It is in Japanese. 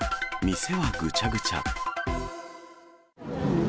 店はぐちゃぐちゃ。